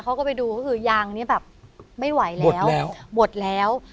เขาก็ไปดูก็คือยางนี้แบบไม่ไหวแล้วหมดแล้ว